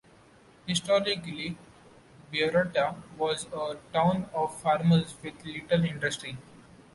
Historically Berriatua was a town of farmers with little industry.